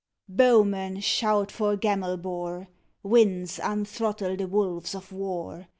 Bowmen, shout for Gamelbar! Winds, unthrottle the wolves of war!